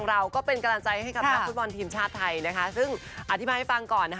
เราก็เป็นกำลังใจให้กับนักฟุตบอลทีมชาติไทยนะคะซึ่งอธิบายให้ฟังก่อนนะคะ